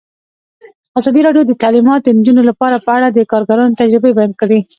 ازادي راډیو د تعلیمات د نجونو لپاره په اړه د کارګرانو تجربې بیان کړي.